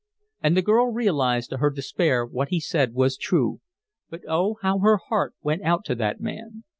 And the girl realized to her despair what he said was true; but oh! how her heart went out to that man!